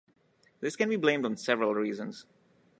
This can be blamed on several reasons.